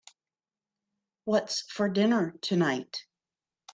What's for dinner tonight?